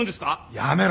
やめろ。